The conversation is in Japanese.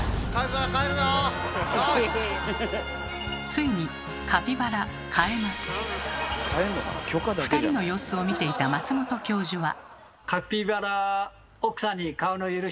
ついに２人の様子を見ていた松本教授は。